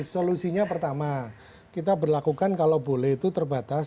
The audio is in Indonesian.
solusinya pertama kita berlakukan kalau boleh itu terbatas